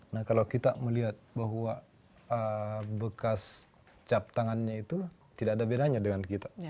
nah kalau kita melihat bahwa bekas cap tangannya itu tidak ada bedanya dengan kita